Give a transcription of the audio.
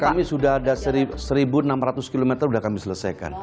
kami sudah ada satu enam ratus km sudah kami selesaikan